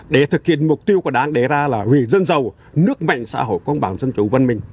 để thực hiện mục tiêu của đảng đề ra là vì dân giàu nước mạnh xã hội công bằng dân chủ văn minh